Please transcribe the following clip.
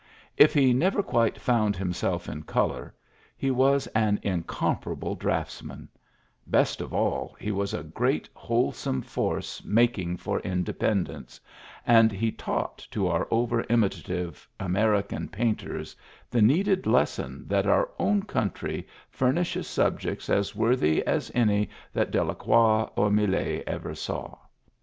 If he never quite found himself in color, he was an incomparable draftsman; best of all, he was a great wholesome force making for independence, and he taught to our over imitative American painters the needed lesson that their own country furnishes subjects as worthy as any that Dela croix or Millet ever saw.